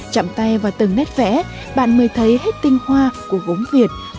chậm tay vào từng nét vẽ bạn mới thấy hết tinh hoa của gốm việt mà cha ông đã gìn giữ